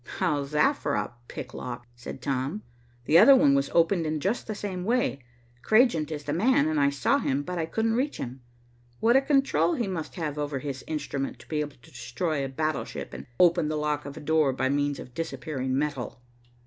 "How's that for a pick lock," said Tom. "The other one was opened in just the same way. Cragent is the man and I saw him, but couldn't reach him. What a control he must have over his instrument to be able to destroy a battleship and open the lock of a door by means of disappearing metal."